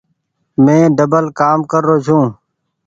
مين ڊبل ڪآم ڪر رو ڇون ۔